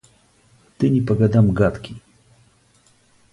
Ты не по годам гадкий!